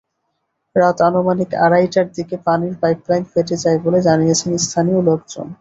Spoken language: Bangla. রাত আনুমানিক আড়াইটার দিকে পানির পাইপলাইন ফেটে যায় বলে জানিয়েছেন স্থানীয় লোকজন।